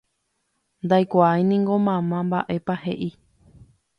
ndaikuaáingo mamá mba'épa he'i.